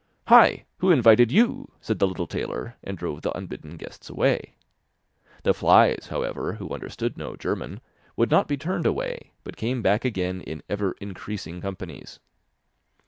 'Hi! who invited you?' said the little tailor, and drove the unbidden guests away. The flies, however, who understood no German, would not be turned away, but came back again in ever increasing companies.